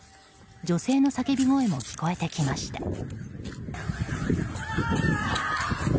女性の叫び声も聞こえてきました。